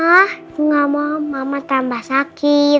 aku gak mau mama tambah sakit